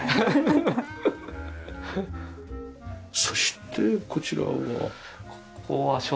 そしてこちらは。